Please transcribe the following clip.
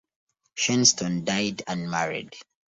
Shenstone died unmarried.